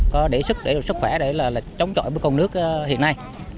có để sức để được sức khỏe để là chống chọi với công nước hiện nay